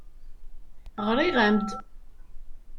Ɣriɣ-am-d.